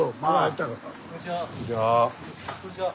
こんにちは。